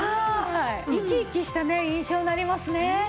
生き生きしたね印象になりますね。